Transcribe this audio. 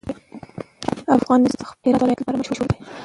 افغانستان د خپل هرات ولایت لپاره مشهور دی.